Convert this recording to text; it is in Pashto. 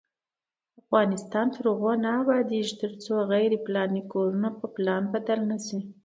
افغانستان تر هغو نه ابادیږي، ترڅو غیر پلاني کورونه په پلان بدل نشي.